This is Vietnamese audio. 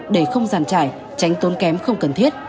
để không giàn trải tránh tốn kém không cần thiết